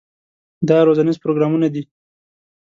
دا روزنیز پروګرامونه دي.